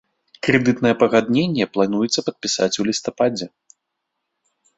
Крэдытнае пагадненне плануецца падпісаць у лістападзе.